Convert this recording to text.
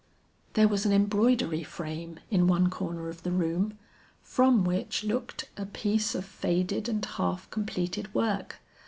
There was an embroidery frame in one corner of the room, from which looked a piece of faded and half completed work.